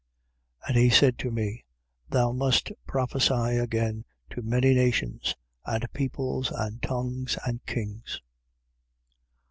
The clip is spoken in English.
10:11. And he said to me: Thou must prophesy again to many nations and peoples and tongues and kings.